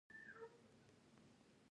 افغانستان د هېواد پر مرکز باندې تکیه لري.